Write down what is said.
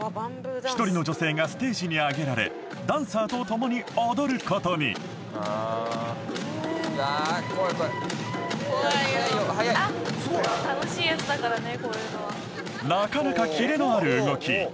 一人の女性がステージに上げられダンサーとともに踊ることになかなかキレのある動き